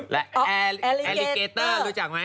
และแอร์ลิเกเตอร์รู้จักไหม